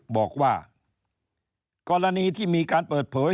บอกว่ากรณีที่มีการเปิดเผย